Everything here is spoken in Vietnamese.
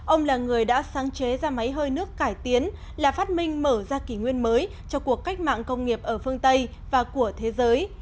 ông là người đã sáng chế ra máy hơi nước cải tiến là phát minh mở ra kỷ nguyên mới cho cuộc cách mạng công nghiệp ở phương tây và của thế giới